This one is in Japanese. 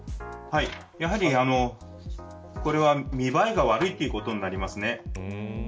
やはり、これは見栄えが悪いということになりますね。